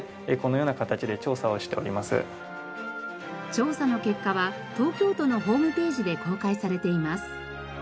調査の結果は東京都のホームページで公開されています。